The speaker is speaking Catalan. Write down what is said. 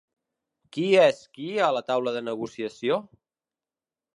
Qui és qui a la taula de negociació?